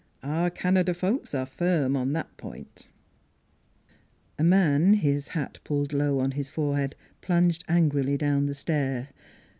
Our Canada folks are firm on that point." 242 NEIGHBORS A man, his hat pulled low on his forehead, plunged angrily down the stair.